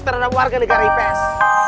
terhadap warga negara ips